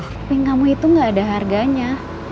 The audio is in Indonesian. tapi kamu itu gak ada harganya